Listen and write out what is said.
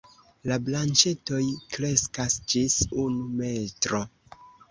La branĉetoj kreskas ĝis unu metro.